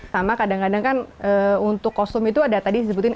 sama kadang kadang kan untuk kostum itu ada tadi disebutin